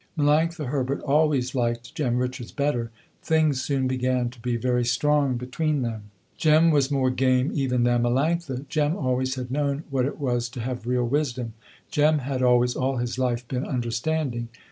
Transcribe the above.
Melanctha Herbert always liked Jem Richards better. Things soon began to be very strong between them. Jem was more game even than Melanctha. Jem always had known what it was to have real wisdom. Jem had always all his life been understanding.